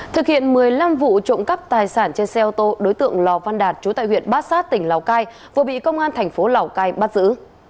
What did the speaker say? thực hiện một mươi năm vụ trộm cắp tài sản trên xe ô tô đối tượng lò văn đạt chú tại huyện bát sát tỉnh lào cai vừa bị công an thành phố lào cai bắt giữ